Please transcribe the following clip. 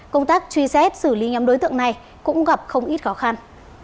công tác truy xét xử lý nhóm đối tượng này cũng gặp không ít khó khăn